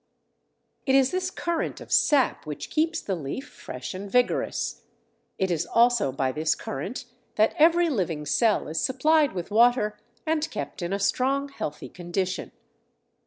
It is this current of sap which keeps the leaf fresh and vigorous; it is also by this current that every living cell is supplied with water and kept in a strong, healthy condition.